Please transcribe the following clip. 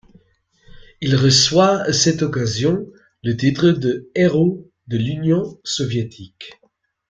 Il reçoit à cette occasion le titre de Héros de l'Union soviétique.